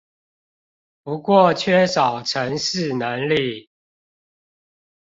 不過缺少程式能力